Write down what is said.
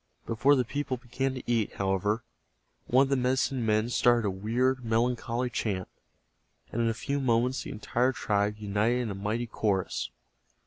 Before the people began to eat, however, one of the medicine men started a weird, melancholy chant, and in a few moments the entire tribe united in a mighty chorus.